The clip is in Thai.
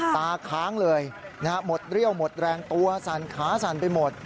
ตาค้างเลยหมดเรี่ยวหมดแรงตัวสั่นขาสั่นไปหมด